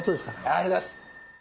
ありがとうございます！